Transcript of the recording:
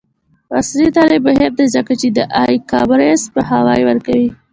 عصري تعلیم مهم دی ځکه چې د ای کامرس پوهاوی ورکوي.